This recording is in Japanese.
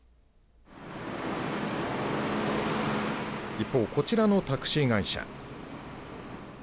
一方、こちらのタクシー会社。